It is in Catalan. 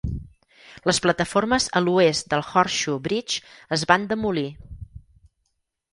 Les plataformes a l'oest del Horseshoe Bridge es van demolir.